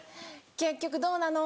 結局どうなの？